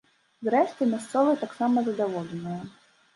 Зрэшты, мясцовыя таксама задаволеныя.